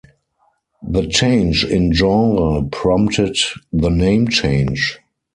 The change in genre prompted the name change.